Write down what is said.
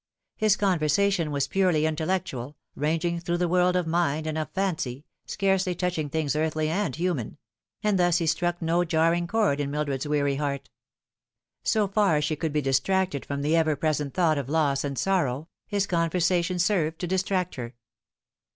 His conversation was purely intellectual, ranging through the world of mind and of fancy, scarcely touching things earthly and human ; and thus he struck no jarring chord in Mildred's weary heart. So far as she could be distracted from the ever present thought of loss and sorrow, his conversation served to distract her.